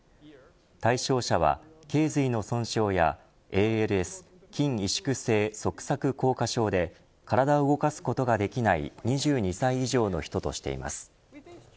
対象者は、頚髄の損傷やＡＬＳ＝筋萎縮性側索硬化症で体を動かすことができない２２歳以上の人としています。